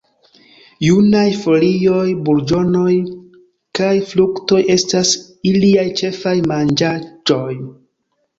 Junaj folioj, burĝonoj kaj fruktoj estas iliaj ĉefaj manĝaĵoj.